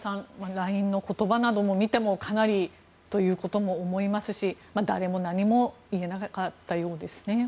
ＬＩＮＥの言葉などを見てもかなりということも思いますし誰も何も言えなかったようですね。